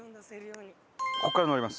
ここから乗ります。